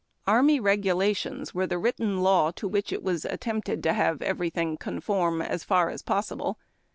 Arni}^ Kfgii la lions were the written law to which it was attempted lo liave everything conform as far as possible.